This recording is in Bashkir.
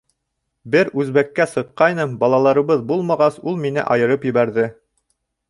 Бер үзбәккә сыҡҡайным, балаларыбыҙ булмағас, ул мине айырып ебәрҙе.